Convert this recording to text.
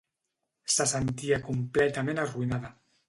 Se sentia completament arruïnada.